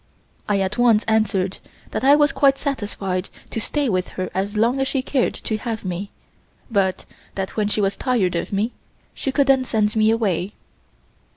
I at once answered that I was quite satisfied to stay with her as long as she cared to have me but that when she was tired of me she could then send me away.